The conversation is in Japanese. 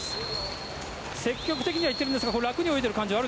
積極的にはいってるんですが楽に泳いでいる感じは？